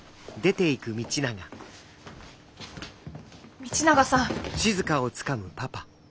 道永さん。